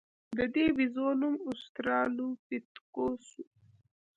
د دې بیزو نوم اوسترالوپیتکوس و.